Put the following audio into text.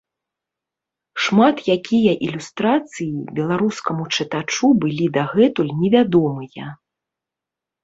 Шмат якія ілюстрацыі беларускаму чытачу былі дагэтуль невядомыя.